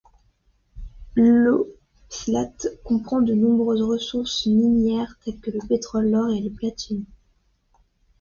L’oblast comprend de nombreuses ressources minières telles que le pétrole, l’or et le platine.